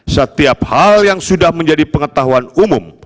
setiap hal yang sudah menjadi pengetahuan umum